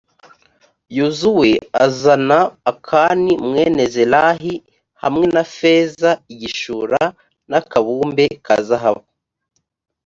yozuwe azana akani mwene zerahi, hamwe na feza, igishura, n’akabumbe ka zahabu.